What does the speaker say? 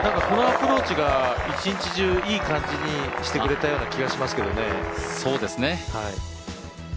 このアプローチが一日中いい感じにしてくれたような気がしましたけどね。